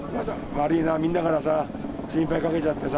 悪いな、みんなからさ、心配かけちゃってさ。